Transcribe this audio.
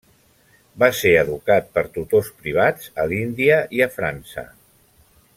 Va ser educat per tutors privats a l'Índia i a França.